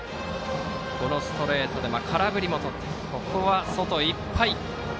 ストレートで空振りもとってここは外いっぱい。